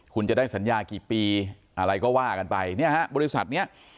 คุณจะได้สัญญากี่ปีอะไรก็ว่ากันไปเนี่ยฮะบริษัทเนี้ย